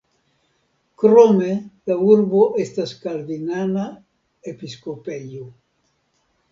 Krome la urbo estas kalvinana episkopejo.